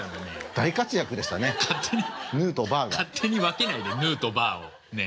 勝手に分けないでヌーとバーをねえ。